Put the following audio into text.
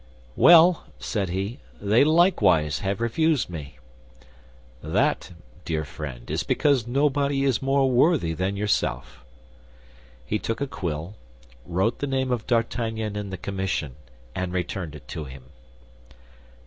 "Well," said he, "they likewise have refused me." "That, dear friend, is because nobody is more worthy than yourself." He took a quill, wrote the name of D'Artagnan in the commission, and returned it to him.